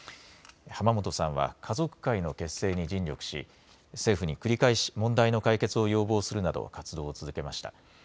浜本さんは家族会の結成に尽力し、政府に繰り返し問題の解決を要望するなど、活動を続けました。